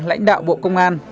lãnh đạo bộ công an